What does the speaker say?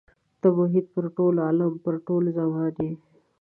ته محیط پر ټول عالم پر ټول زمان یې.